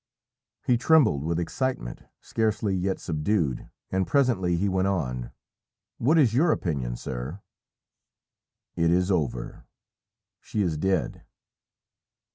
He trembled with excitement, scarcely yet subdued, and presently he went on "What is your opinion, sir?" "It is over she is dead!"